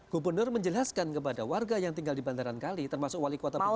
gubernur menjelaskan kepada warga yang tinggal di bantaran engkali termasuk wali kuota pribadi